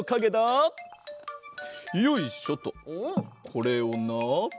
これをなあ